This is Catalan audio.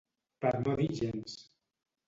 Per no dir gens.